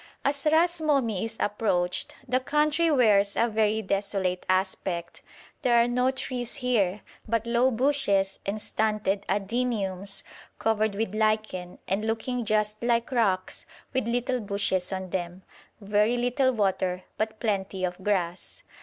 As Ras Momi is approached the country wears a very desolate aspect; there are no trees here, but low bushes and stunted adeniums covered with lichen, and looking just like rocks with little bushes on them; very little water, but plenty of grass.